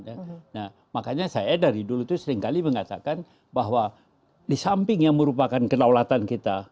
nah makanya saya dari dulu itu seringkali mengatakan bahwa di samping yang merupakan kedaulatan kita